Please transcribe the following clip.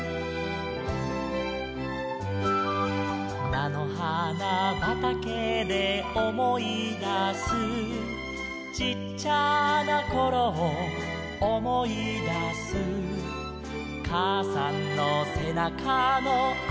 「なのはなばたけでおもいだす」「ちっちゃなころをおもいだす」「かあさんのせなかのあったかさ」